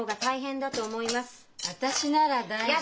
私なら大丈。